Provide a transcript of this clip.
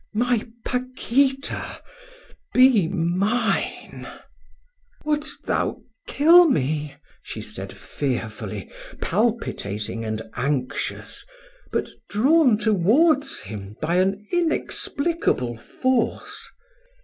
"My Paquita! Be mine!" "Wouldst thou kill me?" she said fearfully, palpitating and anxious, but drawn towards him by an inexplicable force.